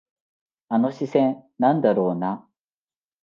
あの視線、なんだろうな。